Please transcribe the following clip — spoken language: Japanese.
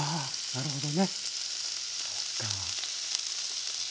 なるほど。